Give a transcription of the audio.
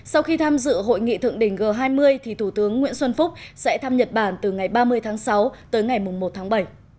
sau khi tham dự hội nghị thượng đỉnh g hai mươi thủ tướng nguyễn xuân phúc sẽ thăm nhật bản từ ngày ba mươi tháng sáu tới ngày một tháng bảy